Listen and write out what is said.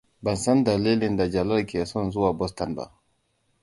Ban san dalilin da Jalal ke son zuwa Boston ba.